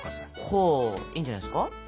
ほいいんじゃないですか。